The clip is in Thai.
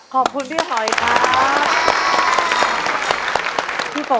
ขอบคุณพี่หอยครับ